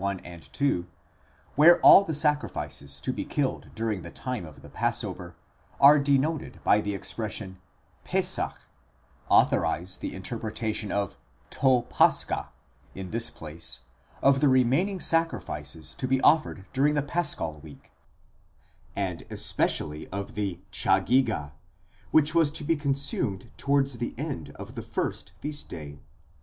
1, 2, where all the sacrifices to be killed during the time of the passover are denoted by the expression M3, authorise the inter pretation of τὸ πάσχα in this place of the remaining sacrifices to be offered during the paschal week, and especially of the Chagiga, which was to be con sumed towards the end of the first feast day.